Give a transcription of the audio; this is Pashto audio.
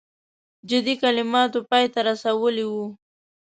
جدي کلماتو پای ته رسولی وو.